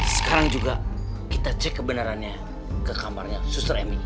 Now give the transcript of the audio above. sekarang juga kita cek kebenarannya ke kamarnya suster emi